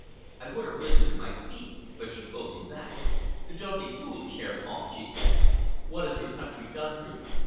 I would have risen to my feet, but she pulled me back. "Do not be foolish, Herr Paul," she said. "What has your country done for you?